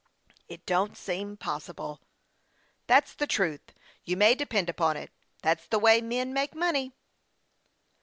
" It don't seem possible." " That's the truth, you may depend upon it. That's the way men make money."